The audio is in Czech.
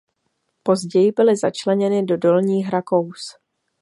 Později byly začleněny do Dolních Rakous.